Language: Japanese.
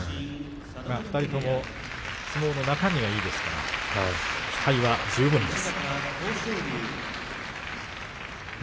２人とも相撲の中身がいいですから期待は十分です。